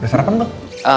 udah sarapan tuh